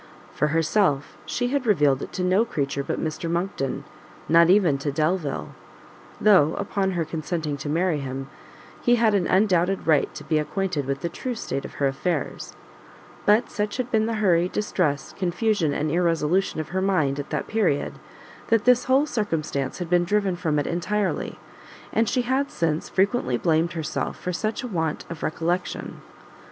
For herself, she had revealed it to no creature but Mr Monckton; not even to Delvile; though, upon her consenting to marry him, he had an undoubted right to be acquainted with the true state of her affairs; but such had been the hurry, distress, confusion and irresolution of her mind at that period, that this whole circumstance had been driven from it entirely, and she had, since, frequently blamed herself for such want of recollection.